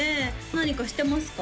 何かしてますか？